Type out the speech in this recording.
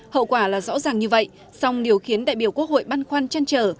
hậu quả là rõ ràng như vậy song điều khiến đại biểu quốc hội băn khoăn chăn trở